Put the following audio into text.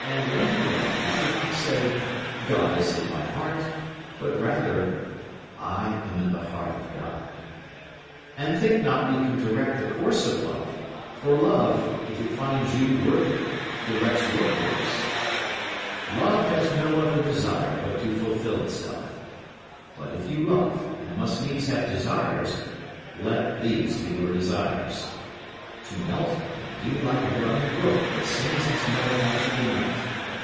When you love you should not say, "God is in my heart," but rather, "I am in the heart of God." And think not you can direct the course of love, for love, if it finds you worthy, directs your course. Love has no other desire but to fulfil itself. But if you love and must needs have desires, let these be your desires: To melt and be like a running brook that sings its melody to the night.